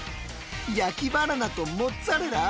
焼きバナナとモッツァレラ！？